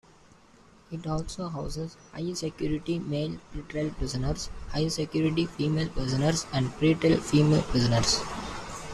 It also houses high-security male pre-trial prisoners, high-security female prisoners, and pre-trial female prisoners.